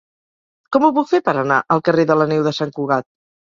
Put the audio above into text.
Com ho puc fer per anar al carrer de la Neu de Sant Cugat?